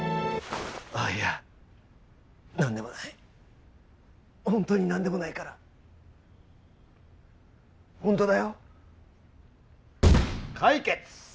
あっいや何でもないホントに何でもないからホントだよ解決！